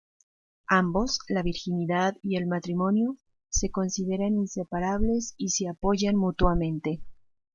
Ambos, la virginidad y el matrimonio, se consideran inseparables y se apoyan mutuamente.